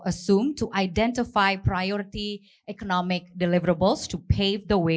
untuk menentukan pemberian ekonomi prioritas untuk menjaga jalan ke jalan